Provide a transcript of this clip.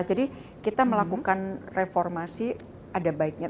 jadi kita melakukan reformasi ada baiknya